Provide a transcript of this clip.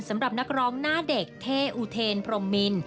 สำหรับนักร้องหน้าเด็กเท่อุเทนพรมมิน